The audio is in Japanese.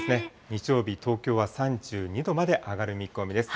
日曜日、東京は３２度まで上がる見込みです。